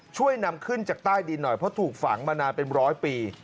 ช่วยนำขึ้นจากใต้ดินหน่อยเพราะถูกฝังมานานเป็นร้อยปี